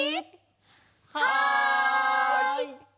はい！